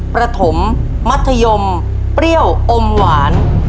ประถมมัธยมเปรี้ยวอมหวาน